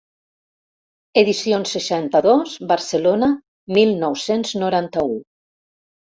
Edicions seixanta-dos, Barcelona, mil nou-cents noranta-u.